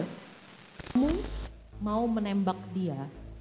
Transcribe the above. kamu mau menembak dia